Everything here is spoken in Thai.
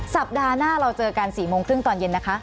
สัปดาห์หน้าเราเจอกัน๔โมงครึ่งตอนเย็นนะคะ